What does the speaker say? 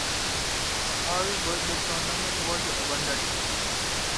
However the tournament was abandoned.